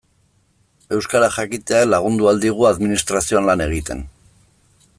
Euskara jakiteak lagundu ahal digu administrazioan lan egiten.